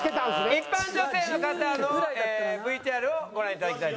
一般女性の方のＶＴＲをご覧いただきたいと思います。